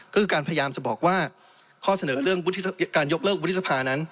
คือการพยายามจะบอกว่าข้อเสนอเรื่องการยกเลิกวุฒิสภานั้น